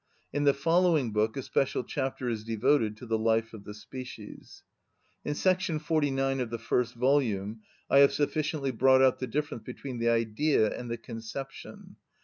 In the following book a special chapter is devoted to the life of the species. In § 49 of the first volume I have sufficiently brought out the difference between the Idea and the conception.